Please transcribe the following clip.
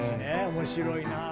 面白いな。